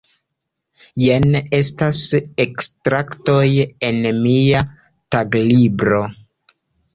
Jen estas ekstraktoj el mia taglibro.